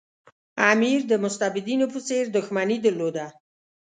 امیر د مستبدینو په څېر دښمني درلوده.